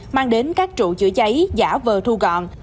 mang đến các trụ chữa cháy giả vờ thu gọn